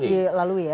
harus dilalui ya